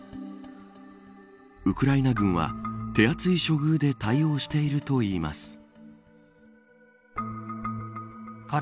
ウクライナ軍は手厚い処遇で対応しているといいます。